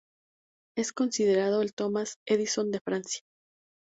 Es considerado el Thomas Edison de Francia.